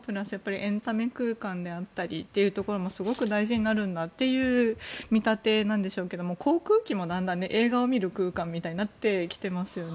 エンタメ空間というところもすごく大事になるんだという見立てなんでしょうけども航空機もだんだん映画を見る空間みたいになってきてますよね。